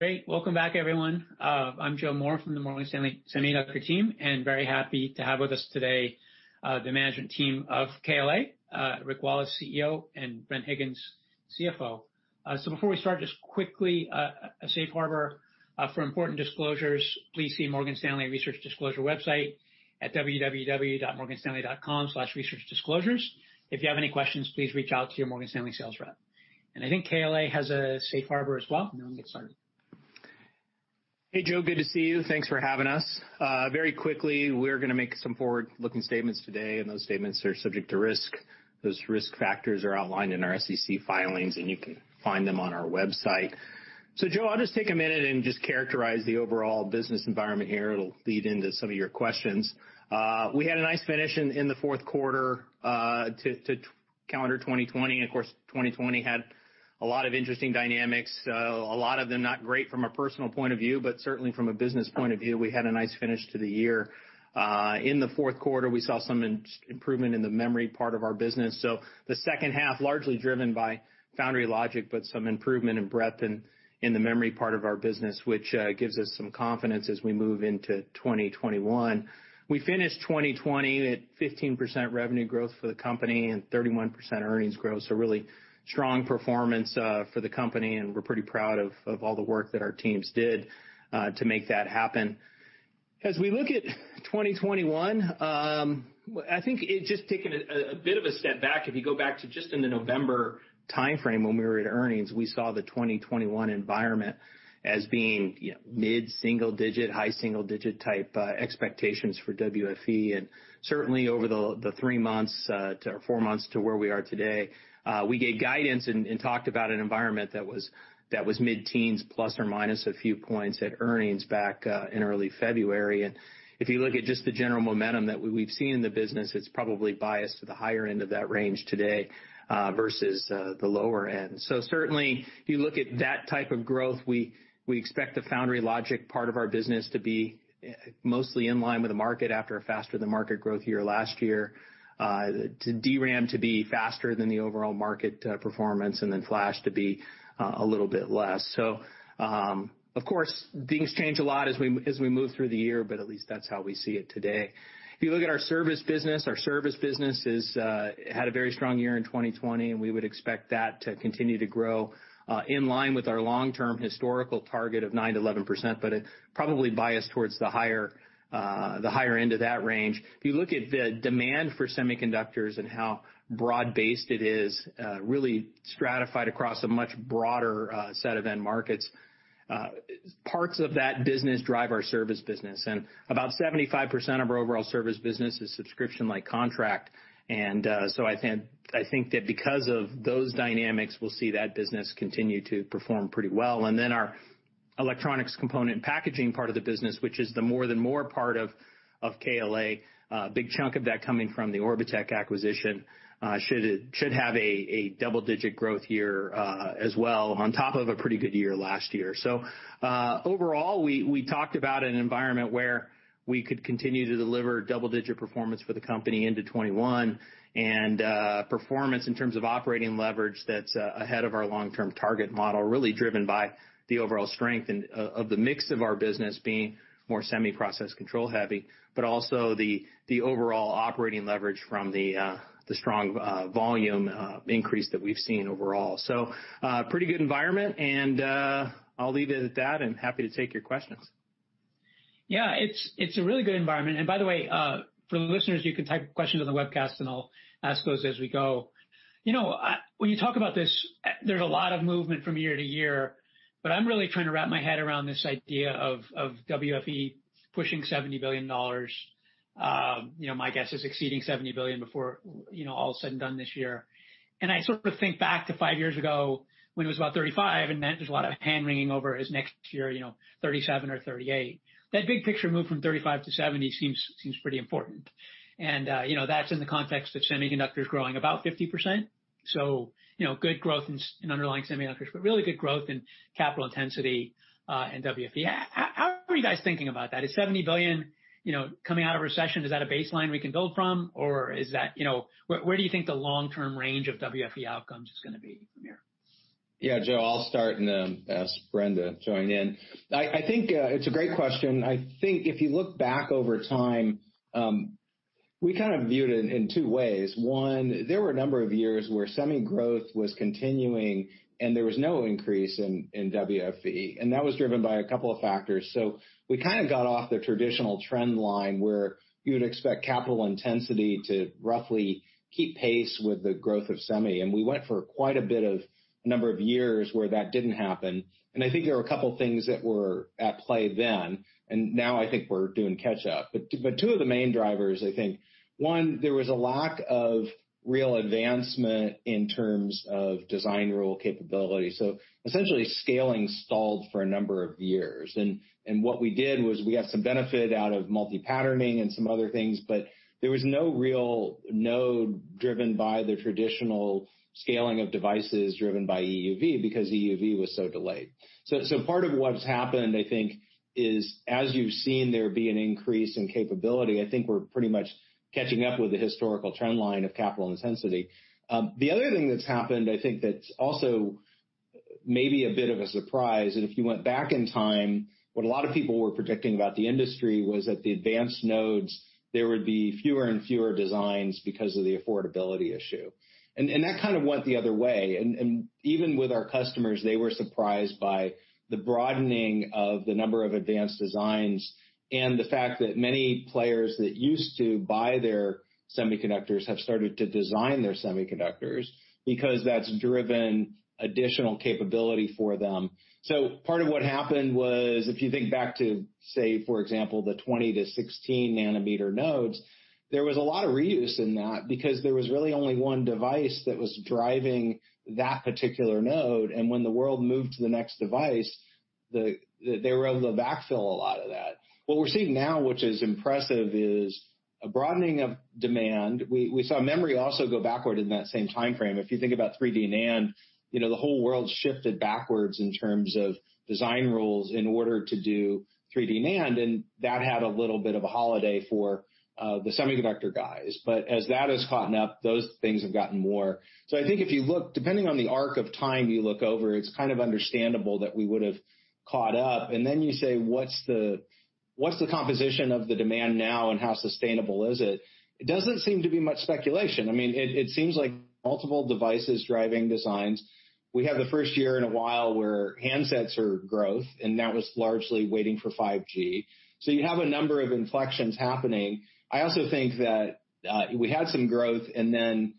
Great. Welcome back, everyone. I'm Joe Moore from the Morgan Stanley Semiconductor team. Very happy to have with us today, the management team of KLA, Rick Wallace, CEO, and Bren Higgins, CFO. Before we start, just quickly, a safe harbor for important disclosures. Please see Morgan Stanley research disclosure website at www.morganstanley.com/researchdisclosures. If you have any questions, please reach out to your Morgan Stanley sales rep. I think KLA has a safe harbor as well. Now we can get started. Hey, Joe. Good to see you. Thanks for having us. Very quickly, we're going to make some forward-looking statements today, and those statements are subject to risk. Those risk factors are outlined in our SEC filings, and you can find them on our website. Joe, I'll just take a minute and just characterize the overall business environment here. It'll lead into some of your questions. We had a nice finish in the fourth quarter, to calendar 2020. Of course, 2020 had a lot of interesting dynamics, a lot of them not great from a personal point of view, but certainly from a business point of view, we had a nice finish to the year. In the fourth quarter, we saw some improvement in the memory part of our business. The second half, largely driven by foundry logic, but some improvement in breadth in the memory part of our business, which gives us some confidence as we move into 2021. We finished 2020 at 15% revenue growth for the company and 31% earnings growth, so really strong performance for the company, and we're pretty proud of all the work that our teams did to make that happen. As we look at 2021, I think just taking a bit of a step back, if you go back to just in the November timeframe when we were at earnings, we saw the 2021 environment as being mid-single digit, high single-digit type expectations for WFE, and certainly over the three months or four months to where we are today, we gave guidance and talked about an environment that was mid-teens, plus or minus a few points at earnings back in early February. If you look at just the general momentum that we've seen in the business, it's probably biased to the higher end of that range today, versus the lower end. Certainly, if you look at that type of growth, we expect the foundry logic part of our business to be mostly in line with the market after a faster-than-market growth year last year, to DRAM to be faster than the overall market performance and then flash to be a little bit less. Of course, things change a lot as we move through the year, but at least that's how we see it today. If you look at our service business, our service business had a very strong year in 2020, we would expect that to continue to grow in line with our long-term historical target of 9%-11%, probably biased towards the higher end of that range. If you look at the demand for semiconductors and how broad-based it is, really stratified across a much broader set of end markets, parts of that business drive our service business, about 75% of our overall service business is subscription-like contract. I think that because of those dynamics, we'll see that business continue to perform pretty well. Our electronics component and packaging part of the business, which is the More than Moore part of KLA, a big chunk of that coming from the Orbotech acquisition, should have a double-digit growth year as well, on top of a pretty good year last year. Overall, we talked about an environment where we could continue to deliver double-digit performance for the company into 2021 and performance in terms of operating leverage that's ahead of our long-term target model, really driven by the overall strength of the mix of our business being more semi process control heavy, but also the overall operating leverage from the strong volume increase that we've seen overall. A pretty good environment, and I'll leave it at that and happy to take your questions. By the way, for the listeners, you can type a question on the webcast, and I'll ask those as we go. When you talk about this, there's a lot of movement from year to year, but I'm really trying to wrap my head around this idea of WFE pushing $70 billion. My guess is exceeding $70 billion before all is said and done this year. I sort of think back to five years ago when it was about 35, and then there's a lot of hand-wringing over is next year, 37 or 38. That big picture move from 35 to 70 seems pretty important. That's in the context of semiconductors growing about 50%. Good growth in underlying semiconductors, but really good growth in capital intensity, and WFE. How are you guys thinking about that? Is $70 billion coming out of a recession, is that a baseline we can go from? Where do you think the long-term range of WFE outcomes is going to be from here? Yeah, Joe, I'll start and then ask Bren to join in. I think it's a great question. I think if you look back over time, we kind of viewed it in two ways. One, there were a number of years where semi growth was continuing, and there was no increase in WFE, and that was driven by a couple of factors. We kind of got off the traditional trend line where you would expect capital intensity to roughly keep pace with the growth of semi. We went for quite a bit of a number of years where that didn't happen. I think there were a couple things that were at play then, and now I think we're doing catch-up. Two of the main drivers, I think, one, there was a lack of real advancement in terms of design rule capability. Essentially, scaling stalled for a number of years. What we did was we got some benefit out of multi-patterning and some other things, but there was no real node driven by the traditional scaling of devices driven by EUV because EUV was so delayed. Part of what has happened, I think is, as you've seen there be an increase in capability, I think we're pretty much catching up with the historical trend line of capital intensity. The other thing that's happened, I think that's also maybe a bit of a surprise, and if you went back in time, what a lot of people were predicting about the industry was that the advanced nodes, there would be fewer and fewer designs because of the affordability issue. That kind of went the other way, and even with our customers, they were surprised by the broadening of the number of advanced designs and the fact that many players that used to buy their semiconductors have started to design their semiconductors because that's driven additional capability for them. Part of what happened was, if you think back to, say, for example, the 20-16 nm nodes, there was a lot of reuse in that because there was really only one device that was driving that particular node, and when the world moved to the next device, they were able to backfill a lot of that. What we're seeing now, which is impressive, is a broadening of demand. We saw memory also go backward in that same timeframe. If you think about 3D NAND, the whole world shifted backwards in terms of design rules in order to do 3D NAND, that had a little bit of a holiday for the semiconductor guys. As that has caught up, those things have gotten more. I think if you look, depending on the arc of time you look over, it's kind of understandable that we would've caught up. You say, what's the composition of the demand now and how sustainable is it? It doesn't seem to be much speculation. It seems like multiple devices driving designs. We have the first year in a while where handsets are growth, that was largely waiting for 5G. You have a number of inflections happening. I also think that we had some growth, and then,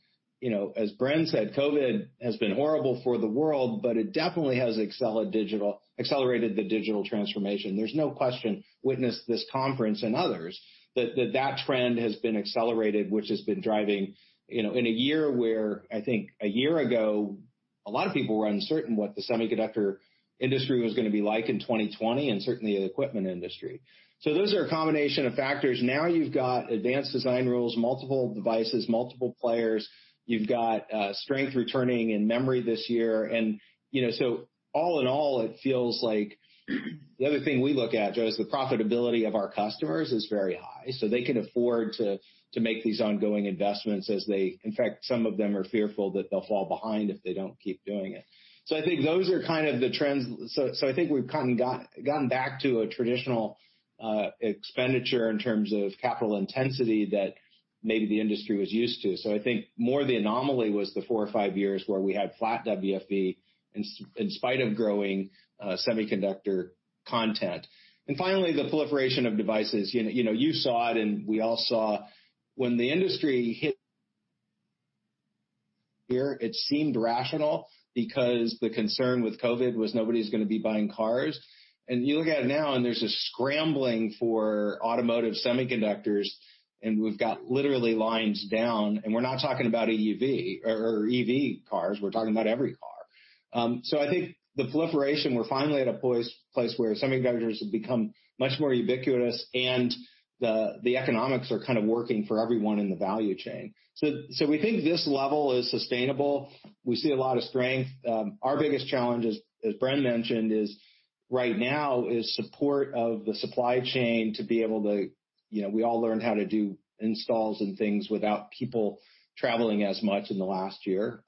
as Bren said, COVID has been horrible for the world, but it definitely has accelerated the digital transformation. There's no question, witness this conference and others, that that trend has been accelerated, which has been driving in a year where I think a year ago, a lot of people were uncertain what the semiconductor industry was going to be like in 2020, and certainly the equipment industry. Those are a combination of factors. Now you've got advanced design rules, multiple devices, multiple players. You've got strength returning in memory this year. All in all, it feels like the other thing we look at, Joe, is the profitability of our customers is very high, so they can afford to make these ongoing investments. In fact, some of them are fearful that they'll fall behind if they don't keep doing it. I think those are kind of the trends. I think we've kind of gotten back to a traditional expenditure in terms of capital intensity that maybe the industry was used to. I think more the anomaly was the four or five years where we had flat WFE in spite of growing semiconductor content. Finally, the proliferation of devices. You saw it, and we all saw when the industry hit here, it seemed rational because the concern with COVID was nobody's going to be buying cars. You look at it now, there's a scrambling for automotive semiconductors, we've got literally lines down, we're not talking about EV cars, we're talking about every car. I think the proliferation, we're finally at a place where semiconductors have become much more ubiquitous, the economics are kind of working for everyone in the value chain. We think this level is sustainable. We see a lot of strength. Our biggest challenge is, as Bren mentioned, right now is support of the supply chain. We all learn how to do installs and things without people traveling as much in the last year.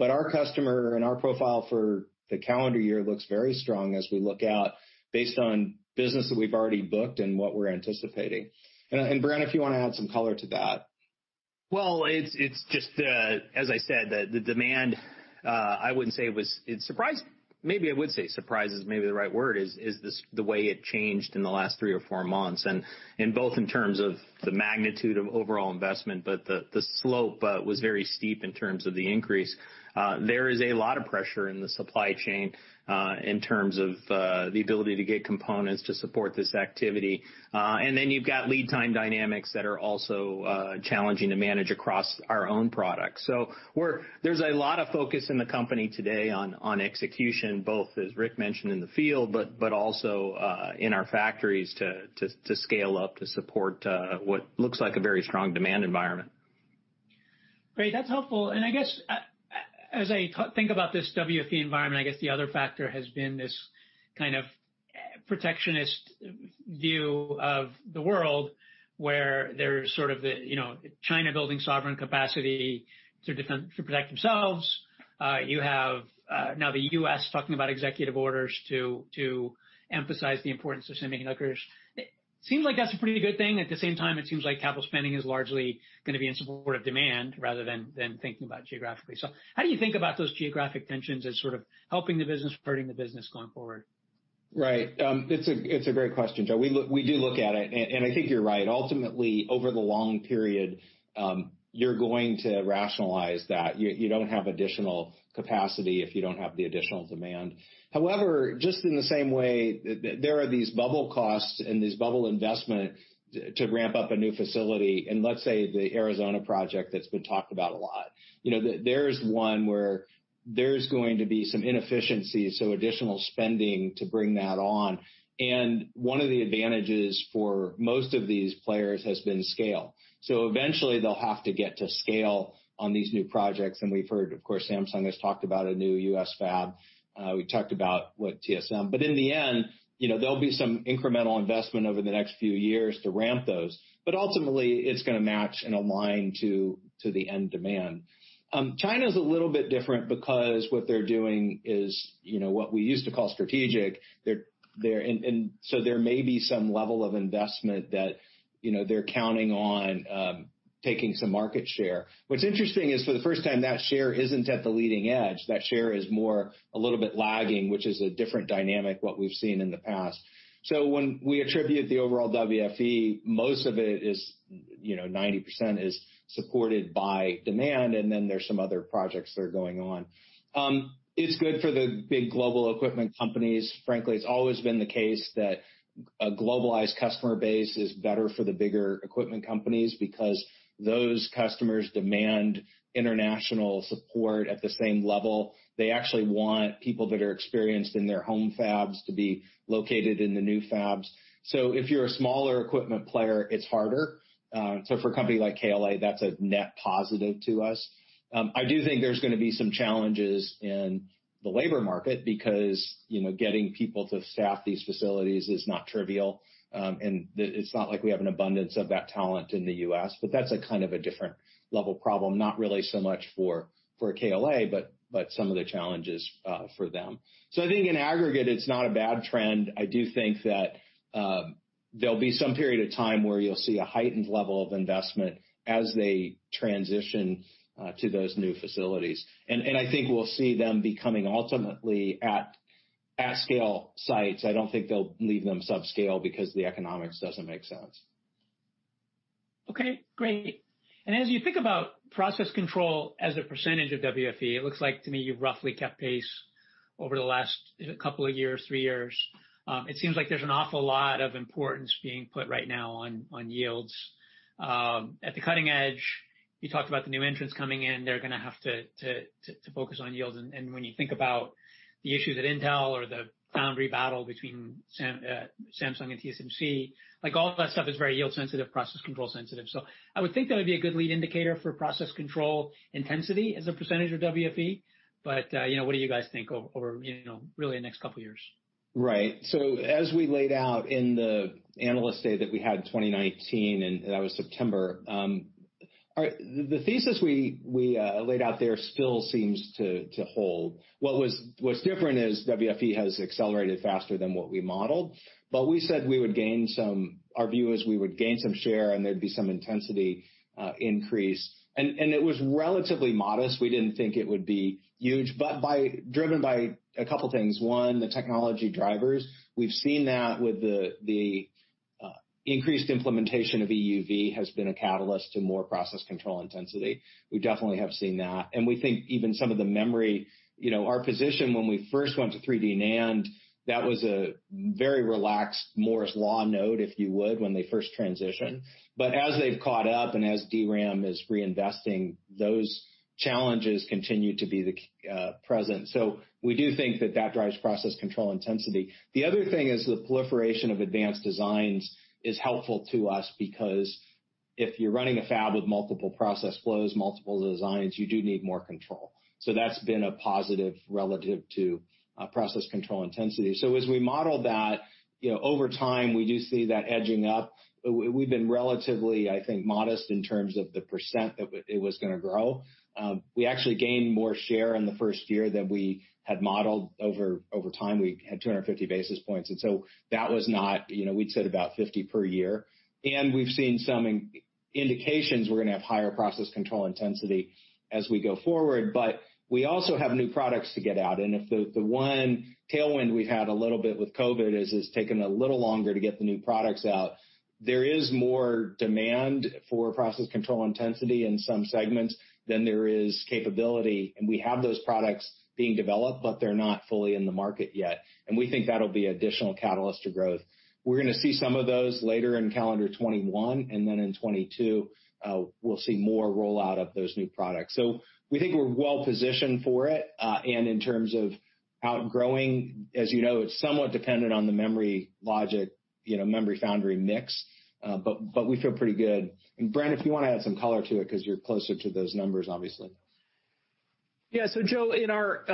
Our customer and our profile for the calendar year looks very strong as we look out based on business that we've already booked and what we're anticipating. Bren, if you want to add some color to that. Well, it's just as I said, the demand, surprise is maybe the right word, is the way it changed in the last three or four months, both in terms of the magnitude of overall investment, but the slope was very steep in terms of the increase. There is a lot of pressure in the supply chain, in terms of the ability to get components to support this activity. You've got lead time dynamics that are also challenging to manage across our own products. There's a lot of focus in the company today on execution, both as Rick mentioned in the field, but also in our factories to scale up to support what looks like a very strong demand environment. Great. That's helpful. I guess as I think about this WFE environment, I guess the other factor has been this kind of protectionist view of the world, where there's sort of the China building sovereign capacity to protect themselves. You have now the U.S. talking about executive orders to emphasize the importance of semiconductors. It seems like that's a pretty good thing. At the same time, it seems like capital spending is largely going to be in support of demand rather than thinking about geographically. How do you think about those geographic tensions as sort of helping the business, hurting the business going forward? Right. It's a great question, Joe. We do look at it, and I think you're right. Ultimately, over the long period, you're going to rationalize that you don't have additional capacity if you don't have the additional demand. However, just in the same way, there are these bubble costs and these bubble investment to ramp up a new facility in, let's say, the Arizona project that's been talked about a lot. There's one where there's going to be some inefficiencies, so additional spending to bring that on. One of the advantages for most of these players has been scale. Eventually they'll have to get to scale on these new projects. We've heard, of course, Samsung has talked about a new U.S. fab. We talked about with TSMC. In the end, there'll be some incremental investment over the next few years to ramp those. Ultimately, it's going to match and align to the end demand. China's a little bit different because what they're doing is what we used to call strategic. There may be some level of investment that they're counting on taking some market share. What's interesting is, for the first time, that share isn't at the leading edge. That share is more a little bit lagging, which is a different dynamic, what we've seen in the past. When we attribute the overall WFE, most of it is, 90% is supported by demand, and then there's some other projects that are going on. It's good for the big global equipment companies. Frankly, it's always been the case that a globalized customer base is better for the bigger equipment companies because those customers demand international support at the same level. They actually want people that are experienced in their home fabs to be located in the new fabs. If you're a smaller equipment player, it's harder. For a company like KLA, that's a net positive to us. I do think there's going to be some challenges in the labor market because getting people to staff these facilities is not trivial. It's not like we have an abundance of that talent in the U.S., but that's a kind of a different level problem. Not really so much for KLA, but some of the challenges for them. I think in aggregate, it's not a bad trend. I do think that there'll be some period of time where you'll see a heightened level of investment as they transition to those new facilities. I think we'll see them becoming ultimately at scale sites. I don't think they'll leave them sub-scale because the economics doesn't make sense. Okay, great. As you think about process control as a percentage of WFE, it looks like to me you've roughly kept pace over the last couple of years, three years. It seems like there's an awful lot of importance being put right now on yields. At the cutting edge, you talked about the new entrants coming in, they're going to have to focus on yields. When you think about the issue that Intel or the foundry battle between Samsung and TSMC, all of that stuff is very yield sensitive, process control sensitive. I would think that would be a good lead indicator for process control intensity as a percentage of WFE. What do you guys think over really the next couple of years? Right. As we laid out in the Analyst Day that we had in 2019, and that was September. The thesis we laid out there still seems to hold. What's different is WFE has accelerated faster than what we modeled, but our view is we would gain some share and there'd be some intensity increase. It was relatively modest. We didn't think it would be huge, but driven by a couple things. One, the technology drivers. We've seen that with the increased implementation of EUV has been a catalyst to more process control intensity. We definitely have seen that, and we think even some of the memory. Our position when we first went to 3D NAND, that was a very relaxed Moore's Law node, if you would, when they first transitioned. As they've caught up and as DRAM is reinvesting, those challenges continue to be present. We do think that that drives process control intensity. The other thing is the proliferation of advanced designs is helpful to us because if you're running a fab with multiple process flows, multiple designs, you do need more control. That's been a positive relative to process control intensity. As we model that, over time, we do see that edging up. We've been relatively, I think, modest in terms of the percent that it was going to grow. We actually gained more share in the first year than we had modeled over time. We had 250 basis points. We'd said about 50 per year, and we've seen some indications we're going to have higher process control intensity as we go forward. We also have new products to get out, and if the one tailwind we've had a little bit with COVID is it's taken a little longer to get the new products out. There is more demand for process control intensity in some segments than there is capability, and we have those products being developed, but they're not fully in the market yet, and we think that'll be additional catalyst to growth. We're going to see some of those later in calendar 2021, and then in 2022, we'll see more rollout of those new products. We think we're well-positioned for it, and in terms of outgrowing, as you know, it's somewhat dependent on the memory logic, memory foundry mix. We feel pretty good. Bren, if you want to add some color to it because you're closer to those numbers, obviously. Yeah. Joe, in our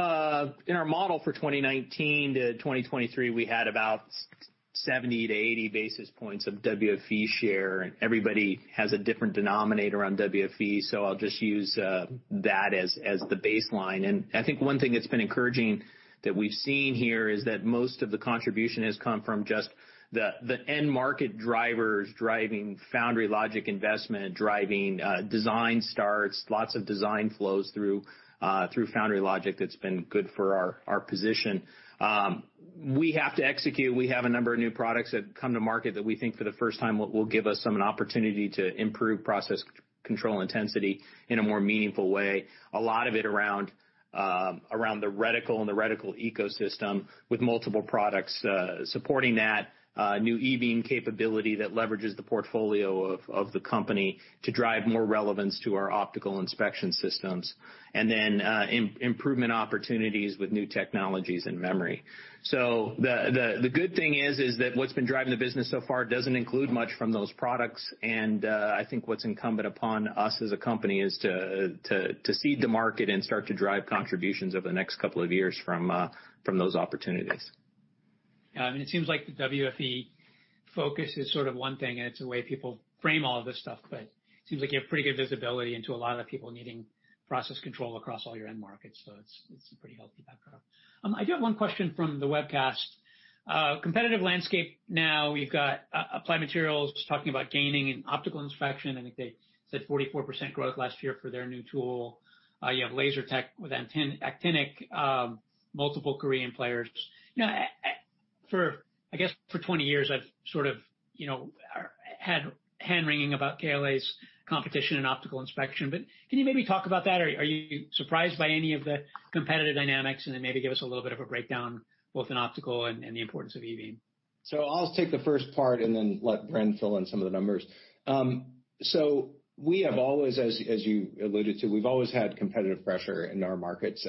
model for 2019-2023, we had about 70-80 basis points of WFE share, and everybody has a different denominator on WFE, so I'll just use that as the baseline. I think one thing that's been encouraging that we've seen here is that most of the contribution has come from just the end market drivers driving foundry logic investment, driving design starts, lots of design flows through foundry logic that's been good for our position. We have to execute. We have a number of new products that come to market that we think for the first time will give us some opportunity to improve process control intensity in a more meaningful way. A lot of it around the reticle and the reticle ecosystem with multiple products supporting that. New e-beam capability that leverages the portfolio of the company to drive more relevance to our optical inspection systems. Improvement opportunities with new technologies and memory. The good thing is that what's been driving the business so far doesn't include much from those products, and I think what's incumbent upon us as a company is to seed the market and start to drive contributions over the next couple of years from those opportunities. It seems like the WFE focus is sort of one thing, and it's a way people frame all of this stuff, but it seems like you have pretty good visibility into a lot of the people needing process control across all your end markets. It's a pretty healthy backdrop. I do have one question from the webcast. Competitive landscape now, you've got Applied Materials talking about gaining in optical inspection. I think they said 44% growth last year for their new tool. You have Lasertec with actinic, multiple Korean players. I guess for 20 years, I've sort of had hand-wringing about KLA's competition in optical inspection. Can you maybe talk about that? Are you surprised by any of the competitive dynamics? Maybe give us a little bit of a breakdown, both in optical and the importance of e-beam. I'll take the first part and then let Bren fill in some of the numbers. We have always, as you alluded to, we've always had competitive pressure in our markets.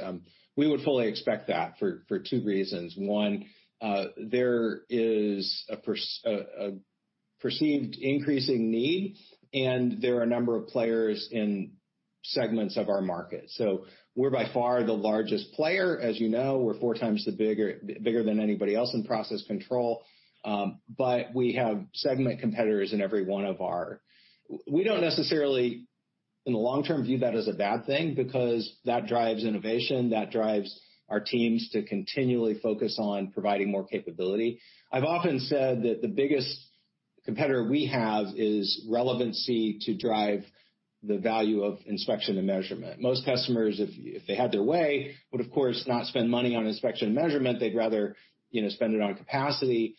We would fully expect that for two reasons. One, there is a perceived increasing need, and there are a number of players in segments of our market. We're by far the largest player. As you know, we're 4x bigger than anybody else in process control. We have segment competitors in every one of our-. We don't necessarily, in the long term, view that as a bad thing, because that drives innovation, that drives our teams to continually focus on providing more capability. I've often said that the biggest competitor we have is relevancy to drive the value of inspection and measurement. Most customers, if they had their way, would, of course, not spend money on inspection measurement. They'd rather spend it on capacity,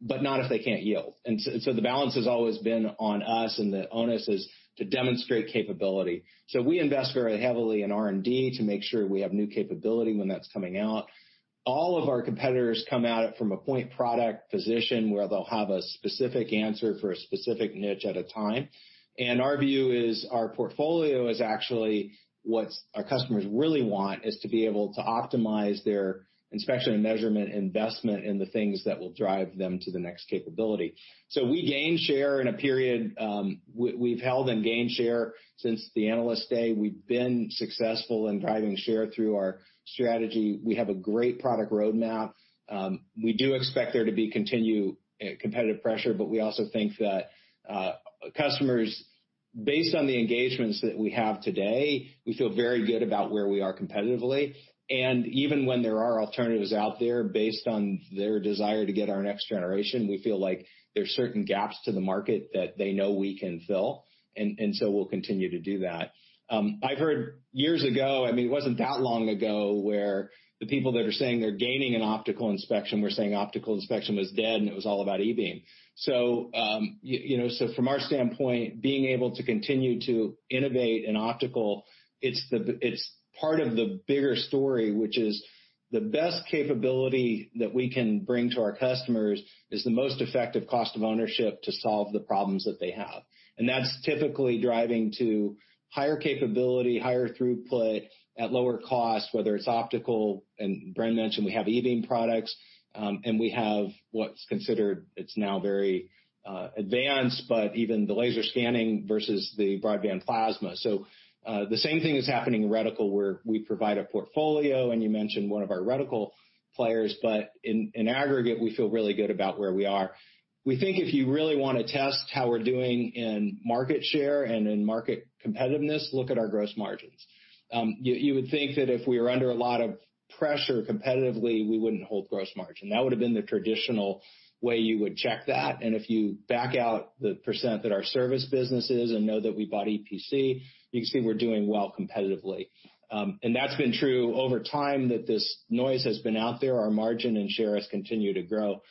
but not if they can't yield. So the balance has always been on us, and the onus is to demonstrate capability. We invest very heavily in R&D to make sure we have new capability when that's coming out. All of our competitors come at it from a point product position where they'll have a specific answer for a specific niche at a time. Our view is our portfolio is actually what our customers really want, is to be able to optimize their inspection and measurement investment in the things that will drive them to the next capability. We gain share in a period. We've held and gained share since the Analyst Day. We've been successful in driving share through our strategy. We have a great product roadmap. We do expect there to be continued competitive pressure, but we also think that customers, based on the engagements that we have today, we feel very good about where we are competitively. Even when there are alternatives out there based on their desire to get our next generation, we feel like there's certain gaps to the market that they know we can fill, and so we'll continue to do that. I've heard years ago, it wasn't that long ago, where the people that are saying they're gaining an optical inspection were saying optical inspection was dead, and it was all about e-beam. From our standpoint, being able to continue to innovate in optical, it's part of the bigger story, which is the best capability that we can bring to our customers is the most effective cost of ownership to solve the problems that they have. That's typically driving to higher capability, higher throughput at lower cost, whether it's optical, and Bren mentioned we have e-beam products, and we have what's considered, it's now very advanced, but even the laser scanning versus the broadband plasma. The same thing is happening in reticle, where we provide a portfolio, and you mentioned one of our reticle players. In aggregate, we feel really good about where we are. We think if you really want to test how we're doing in market share and in market competitiveness, look at our gross margins. You would think that if we were under a lot of pressure competitively, we wouldn't hold gross margin. That would have been the traditional way you would check that. If you back out the percent that our service business is and know that we bought EPC, you can see we're doing well competitively. That's been true over time that this noise has been out there, our margin and share has continued to grow.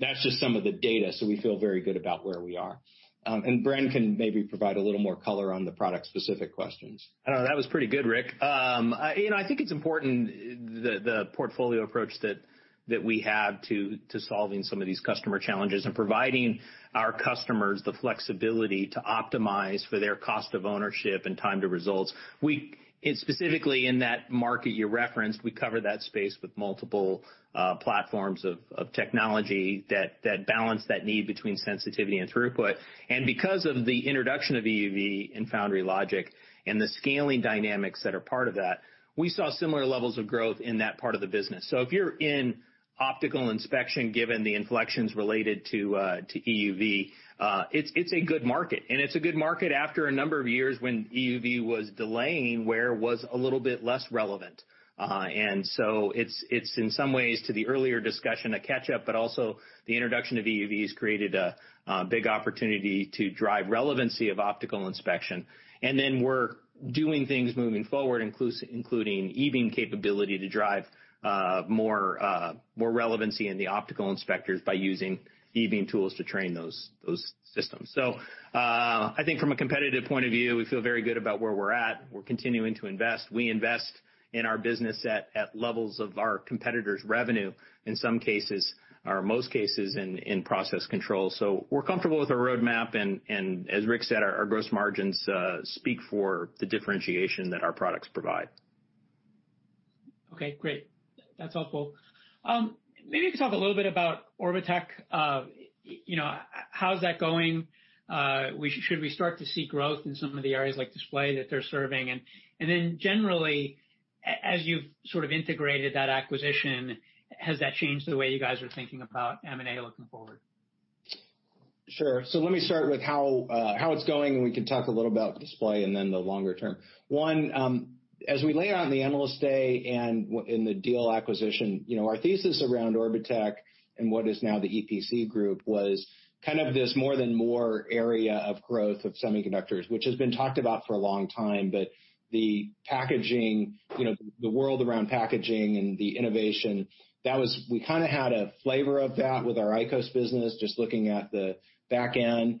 That's just some of the data, so we feel very good about where we are. Bren can maybe provide a little more color on the product-specific questions. That was pretty good, Rick. I think it's important, the portfolio approach that we have to solving some of these customer challenges and providing our customers the flexibility to optimize for their cost of ownership and time to results. Specifically in that market you referenced, we cover that space with multiple platforms of technology that balance that need between sensitivity and throughput. Because of the introduction of EUV and foundry logic and the scaling dynamics that are part of that, we saw similar levels of growth in that part of the business. If you're in optical inspection, given the inflections related to EUV, it's a good market. It's a good market after a number of years when EUV was delaying, where it was a little bit less relevant. It's in some ways to the earlier discussion, a catch-up, but also the introduction of EUV has created a big opportunity to drive relevancy of optical inspection. We're doing things moving forward, including e-beam capability to drive more relevancy in the optical inspectors by using e-beam tools to train those systems. I think from a competitive point of view, we feel very good about where we're at. We're continuing to invest. We invest in our business at levels of our competitors' revenue, in some cases or most cases in process control. We're comfortable with our roadmap, and as Rick said, our gross margins speak for the differentiation that our products provide. Okay, great. That's helpful. Maybe you can talk a little bit about Orbotech. How's that going? Should we start to see growth in some of the areas like display that they're serving? Generally, as you've sort of integrated that acquisition, has that changed the way you guys are thinking about M&A looking forward? Sure. Let me start with how it's going, and we can talk a little about display and then the longer term. One, as we lay out in the Analyst Day and in the deal acquisition, our thesis around Orbotech and what is now the EPC group was kind of this more than Moore area of growth of semiconductors, which has been talked about for a long time, but the world around packaging and the innovation, we kind of had a flavor of that with our ICOS business, just looking at the back end.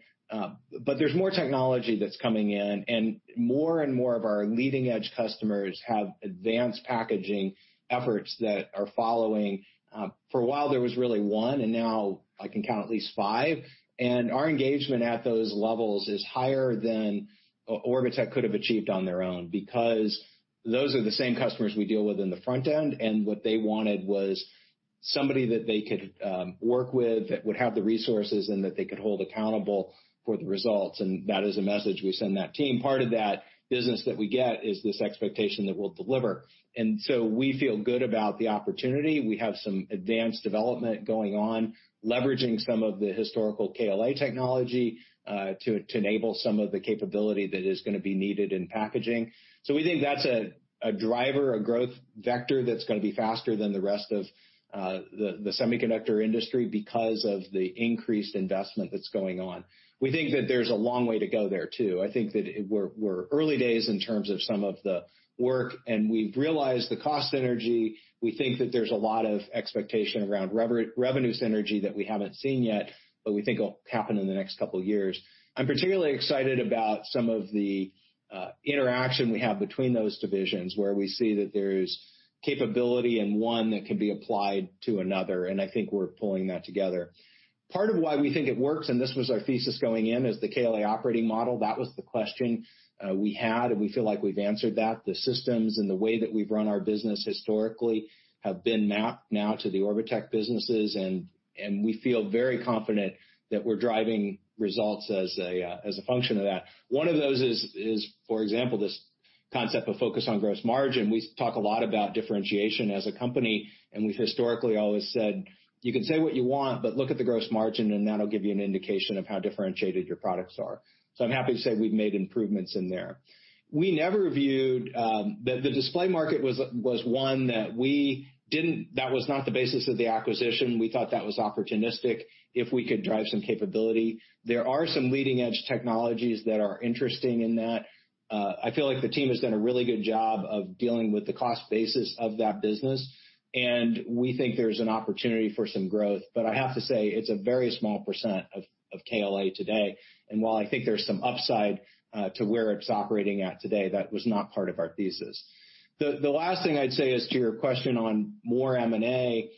There's more technology that's coming in, and more and more of our leading-edge customers have advanced packaging efforts that are following. For a while, there was really one, and now I can count at least five. Our engagement at those levels is higher than Orbotech could have achieved on their own, because those are the same customers we deal with in the front end, and what they wanted was somebody that they could work with, that would have the resources, and that they could hold accountable for the results. That is a message we send that team. Part of that business that we get is this expectation that we'll deliver. We feel good about the opportunity. We have some advanced development going on, leveraging some of the historical KLA technology, to enable some of the capability that is going to be needed in packaging. We think that's a driver, a growth vector that's going to be faster than the rest of the semiconductor industry because of the increased investment that's going on. We think that there's a long way to go there, too. I think that we're early days in terms of some of the work, and we've realized the cost synergy. We think that there's a lot of expectation around revenue synergy that we haven't seen yet, but we think it'll happen in the next couple of years. I'm particularly excited about some of the interaction we have between those divisions, where we see that there's capability in one that can be applied to another, and I think we're pulling that together. Part of why we think it works, and this was our thesis going in, is the KLA operating model. That was the question we had, and we feel like we've answered that. The systems and the way that we've run our business historically have been mapped now to the Orbotech businesses, and we feel very confident that we're driving results as a function of that. One of those is, for example, this concept of focus on gross margin. We talk a lot about differentiation as a company, and we've historically always said, "You can say what you want, but look at the gross margin, and that'll give you an indication of how differentiated your products are." I'm happy to say we've made improvements in there. The display market was one that was not the basis of the acquisition. We thought that was opportunistic if we could drive some capability. There are some leading-edge technologies that are interesting in that. I feel like the team has done a really good job of dealing with the cost basis of that business, and we think there's an opportunity for some growth. I have to say, it's a very small percent of KLA today. While I think there's some upside to where it's operating at today, that was not part of our thesis. The last thing I'd say is to your question on more M&A.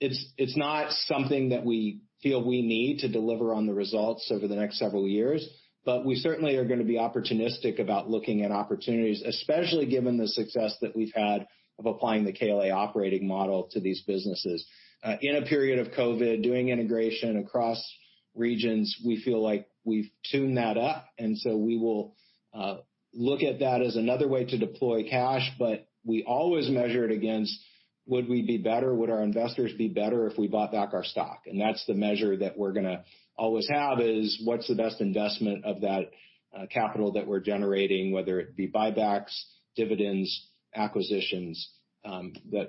It's not something that we feel we need to deliver on the results over the next several years, but we certainly are going to be opportunistic about looking at opportunities, especially given the success that we've had of applying the KLA operating model to these businesses. In a period of COVID, doing integration across regions, we feel like we've tuned that up, and so we will look at that as another way to deploy cash, but we always measure it against, would we be better, would our investors be better if we bought back our stock? That's the measure that we're going to always have is, what's the best investment of that capital that we're generating, whether it be buybacks, dividends, acquisitions.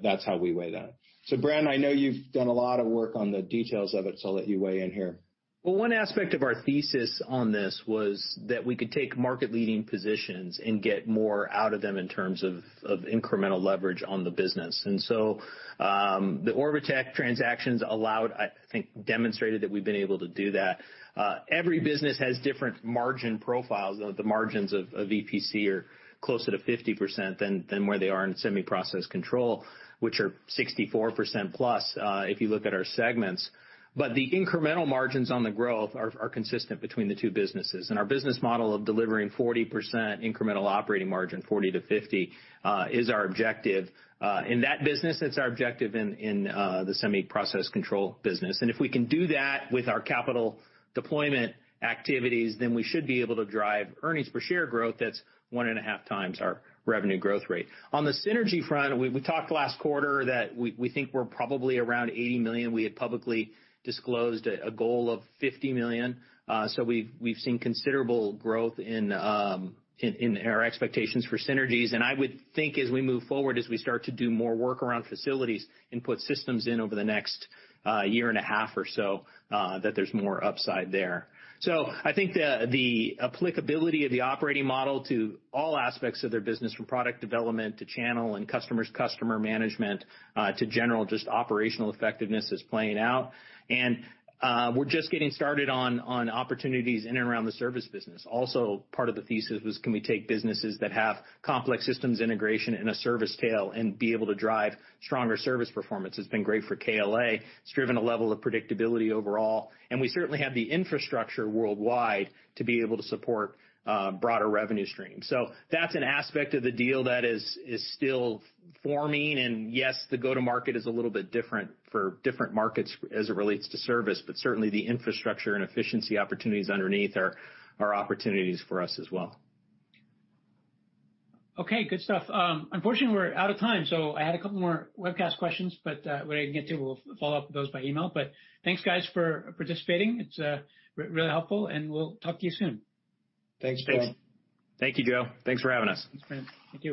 That's how we weigh that. Bren, I know you've done a lot of work on the details of it, so I'll let you weigh in here. One aspect of our thesis on this was that we could take market-leading positions and get more out of them in terms of incremental leverage on the business. The Orbotech transactions, I think, demonstrated that we've been able to do that. Every business has different margin profiles. The margins of EPC are closer to 50% than where they are in Semi-Process Control, which are +64%, if you look at our segments. The incremental margins on the growth are consistent between the two businesses, and our business model of delivering 40% incremental operating margin, 40%-50%, is our objective in that business. It's our objective in the Semi-Process Control business. If we can do that with our capital deployment activities, we should be able to drive earnings per share growth that's one and a half times our revenue growth rate. On the synergy front, we talked last quarter that we think we're probably around $80 million. We had publicly disclosed a goal of $50 million. We've seen considerable growth in our expectations for synergies. I would think as we move forward, as we start to do more work around facilities and put systems in over the next year and a half or so, that there's more upside there. I think the applicability of the operating model to all aspects of their business, from product development to channel and customers, customer management, to general just operational effectiveness, is playing out. We're just getting started on opportunities in and around the service business. Also part of the thesis was, can we take businesses that have complex systems integration and a service tail and be able to drive stronger service performance? It's been great for KLA. It's driven a level of predictability overall, and we certainly have the infrastructure worldwide to be able to support broader revenue streams. That's an aspect of the deal that is still forming. Yes, the go-to-market is a little bit different for different markets as it relates to service, but certainly the infrastructure and efficiency opportunities underneath are opportunities for us as well. Okay, good stuff. Unfortunately, we're out of time, so I had a couple more webcast questions, but what I didn't get to, we'll follow up with those by email. Thanks, guys, for participating. It's really helpful, and we'll talk to you soon. Thanks, Joe. Thanks. Thank you, Joe. Thanks for having us. Thanks, Bren. Thank you.